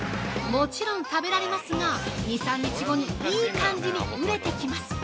もちろん食べられますが２３日後にいい感じに熟れてきます。